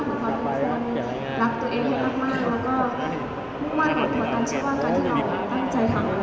แล้วมันเป็นเรื่องไหนค่ะ